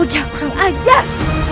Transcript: jauh kurang ajar